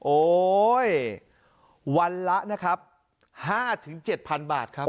โอ๊ยวันละนะครับ๕๗๐๐บาทครับ